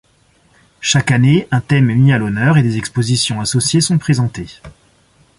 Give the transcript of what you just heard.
Chaque année, un thème est mis à l'honneur et des expositions associées sont présentées.